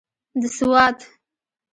د سوات.